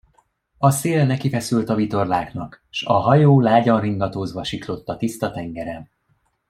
A szél nekifeszült a vitorláknak, s a hajó lágyan ringatózva siklott a tiszta tengeren.